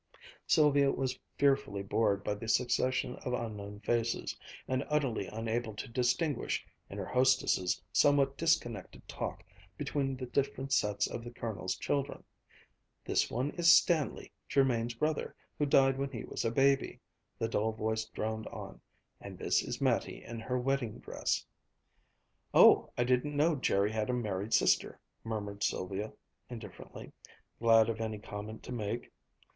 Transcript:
Sylvia was fearfully bored by the succession of unknown faces, and utterly unable to distinguish, in her hostess' somewhat disconnected talk, between the different sets of the Colonel's children. "This one is Stanley, Jermain's brother, who died when he was a baby," the dull voice droned on; "and this is Mattie in her wedding dress." "Oh, I didn't know Jerry had a married sister," murmured Sylvia indifferently, glad of any comment to make.